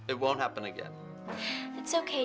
itu tak akan berulang lagi